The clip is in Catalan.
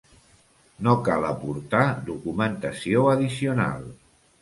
No cal aportar documentació addicional.